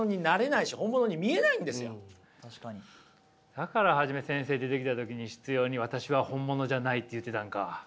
だから初め先生出てきた時に執ように「私は本物じゃない」って言うてたんか。